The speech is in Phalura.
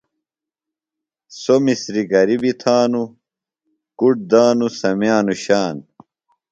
سوۡ مسِریۡ گِریۡ بیۡ تھانوۡ، کُڈ دانوۡ سمیانوۡ شان